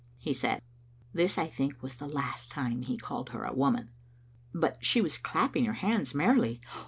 he said. This, I think, was the last time he called her a woman. But she was clapping her hands merrily.